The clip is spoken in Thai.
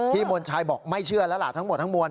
มนชัยบอกไม่เชื่อแล้วล่ะทั้งหมดทั้งมวล